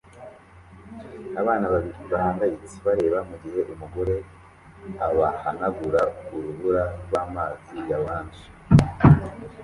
Abana babiri bahangayitse bareba mugihe umugore abahanagura urubura rwamazi ya orange